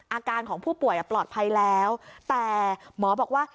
อาการของผู้ป่วยปลอดภัยแล้วแต่หมอบอกว่า